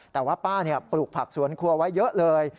แต่ว่าป้าปลูกผักสวนครัวไว้เยอะเลย